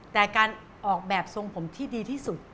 แต่การออกแบบทรงผมที่ดีที่สุด